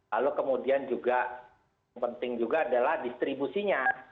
lalu kemudian juga penting juga adalah distribusinya